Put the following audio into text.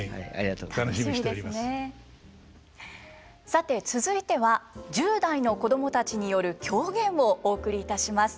さて続いては１０代の子供たちによる狂言をお送りいたします。